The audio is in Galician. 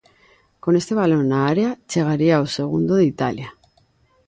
Con este balón na área chegaría o segundo de Italia.